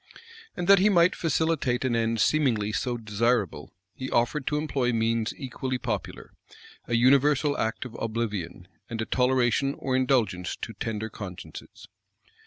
And that he might facilitate an end seemingly so desirable, he offered to employ means equally popular, a universal act of oblivion, and a toleration or indulgence to tender consciences.